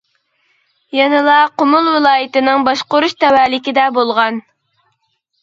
يەنىلا قۇمۇل ۋىلايىتىنىڭ باشقۇرۇش تەۋەلىكىدە بولغان.